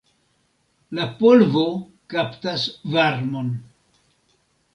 La polvo kaptas varmon.